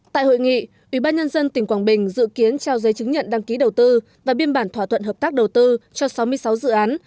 tại hội nghị ủy ban nhân dân tỉnh quảng bình dự kiến trao giấy chứng nhận đăng ký đầu tư và biên bản thỏa thuận hợp tác đầu tư cho sáu mươi sáu dự án